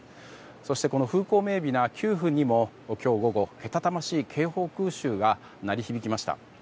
そして風光明媚なキュウフンにもけたたましい警報空襲が鳴り響きました。